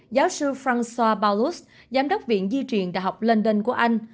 giáo sư francois paulus giám đốc viện di truyền đại học london của anh